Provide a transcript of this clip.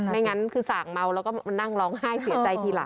งั้นคือสางเมาแล้วก็มานั่งร้องไห้เสียใจทีหลัง